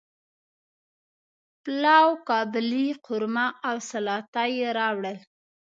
پلاو، قابلی، قورمه او سلاطه یی راوړل